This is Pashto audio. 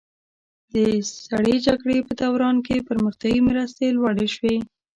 د سړې جګړې په دوران کې پرمختیایي مرستې لوړې شوې.